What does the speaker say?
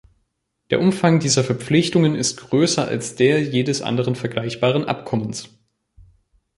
Der Umfang dieser Verpflichtungen ist größer als der jedes anderen vergleichbaren Abkommens.